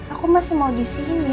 aku masih mau disini